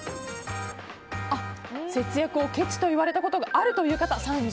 節約をけちと言われたことがあるという方３５％。